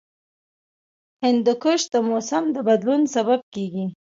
هندوکش د موسم د بدلون سبب کېږي.